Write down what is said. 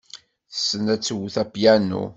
Tessen ad twet apyanu.